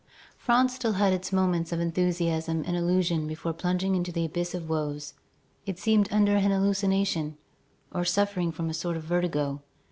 France had still its moments of enthusiasm and illusion before plunging into the abyss of woes. It seemed under an hallucination, or suffering from a sort of vertigo.